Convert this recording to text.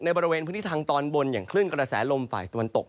บริเวณพื้นที่ทางตอนบนอย่างคลื่นกระแสลมฝ่ายตะวันตก